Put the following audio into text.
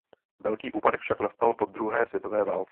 Velký úpadek však nastal po druhé světové válce.